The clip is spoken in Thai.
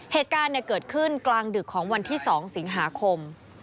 เหตุการณ์เกิดขึ้นกลางดึกของวันที่๒สิงหาคม